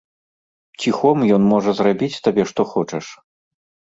Ціхом ён можа зрабіць табе што хочаш.